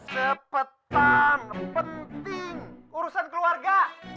sepetan penting urusan keluarga